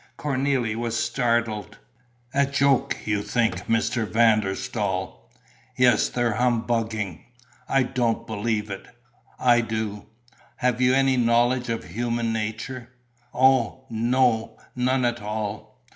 Cornélie was startled: "A joke, you think, Mr. van der Staal?" "Yes, they're humbugging." "I don't believe it." "I do." "Have you any knowledge of human nature?" "Oh, no, none at all!"